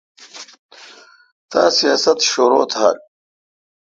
تا سیاست شرو تھال۔